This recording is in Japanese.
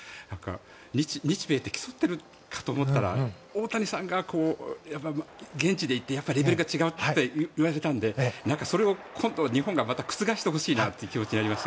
日米って競っているかと思ったら大谷さんが現地にいてレベルが違うって言われたのでそれを今度は日本が覆してほしいと思います。